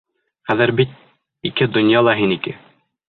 Хәҙер бит ике донъя ла һинеке.